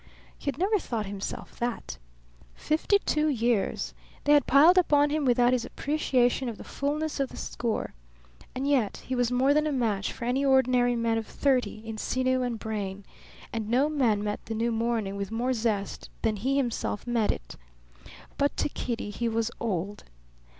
He had never thought himself that. Fifty two years; they had piled up on him without his appreciation of the fullness of the score. And yet he was more than a match for any ordinary man of thirty in sinew and brain; and no man met the new morning with more zest than he himself met it. But to Kitty he was old!